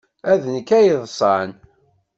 D nekk ay yeḍḍsen.